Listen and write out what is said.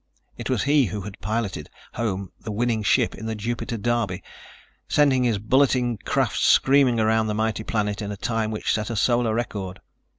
It was he who had piloted home the winning ship in the Jupiter derby, sending his bulleting craft screaming around the mighty planet in a time which set a Solar record.